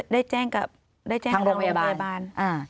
ได้แจ้งกับได้แจ้งทางโรงพยาบาล